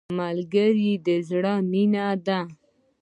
ملګری د زړه مینه ده